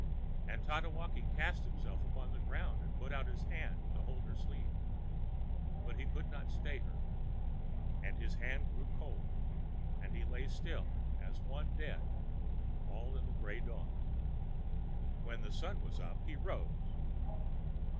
And Tatewaki cast himself upon the ground and put out his hand to hold her sleeve. But he could not stay her. And his hand grew cold and he lay still as one dead, all in the grey dawn. When the sun was up he arose.